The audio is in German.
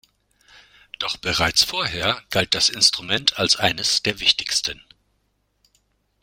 Doch bereits vorher galt das Instrument als eines der wichtigsten.